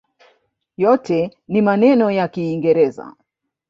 Yote ni maneno ya kiingereza.